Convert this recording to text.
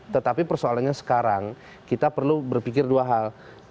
tetapi persoalannya sekarang kita perlu berpikir dua hal